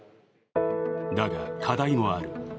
だが課題もある。